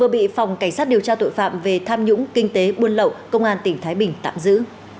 vừa bị phòng cảnh sát điều tra tội phạm về tham nhũng kinh tế buôn lậu công an tỉnh thái bình tạm giữ